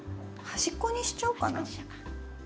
端っこにしちゃおうか。